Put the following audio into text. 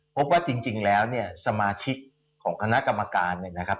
พบว่าจริงแล้วเนี่ยสมาชิกของคณะกรรมการเนี่ยนะครับ